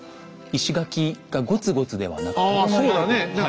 石垣がゴツゴツではなくて。